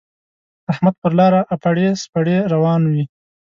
احمد پر لاره اپړې سپړې روان وِي.